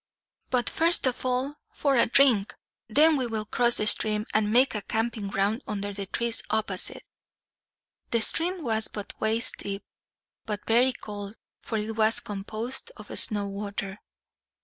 "But first of all, for a drink. Then we will cross the stream, and make a camping ground under the trees opposite." The stream was but waist deep, but very cold, for it was composed of snow water.